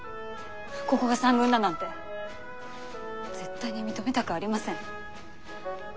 ここが三軍だなんて絶対に認めたくありません。